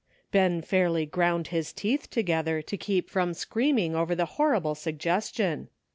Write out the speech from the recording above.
Ben fairly ground his teeth together to keep from screaming over the horrible suggestion